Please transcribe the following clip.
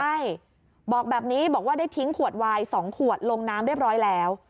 ใช่บอกแบบนี้บอกว่าได้ทิ้งขวดวาย๒ขวดลงน้ำเรียบร้อยแล้ว